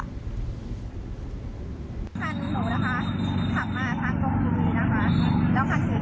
มีคันของพี่กับคันข้างหน้าที่เขาจะแซงได้